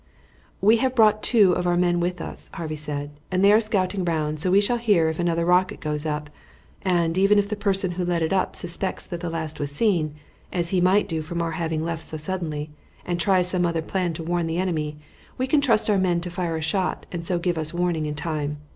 "We have brought two of our men with us," Harvey said, "and they are scouting round, so we shall hear if another rocket goes up; and, even if the person who let it up suspects that the last was seen, as he might do from our having left so suddenly, and tries some other plan to warn the enemy, we can trust our men to fire a shot and so give us warning in time.